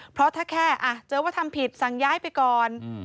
เพราะถ้าแค่เจอว่าทำผิดสั่งย้ายไปก่อน